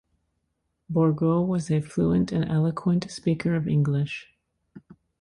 Bourgault was a fluent and eloquent speaker of English.